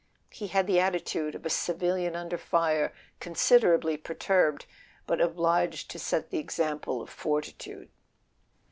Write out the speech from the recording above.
He had the attitude of a civilian under fire, considerably perturbed, but obliged to set the example of fortitude.